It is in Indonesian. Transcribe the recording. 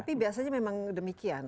tapi biasanya memang demikian